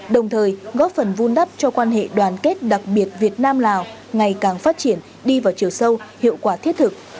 đồng thời góp phần vun đắp cho quan hệ đoàn kết đặc biệt việt nam lào ngày càng phát triển đi vào chiều sâu hiệu quả thiết thực